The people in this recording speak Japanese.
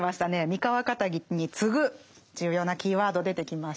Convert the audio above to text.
「三河かたぎ」に次ぐ重要なキーワード出てきました。